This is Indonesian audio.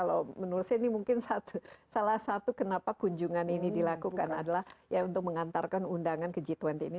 kalau menurut saya ini mungkin salah satu kenapa kunjungan ini dilakukan adalah ya untuk mengantarkan undangan ke g dua puluh ini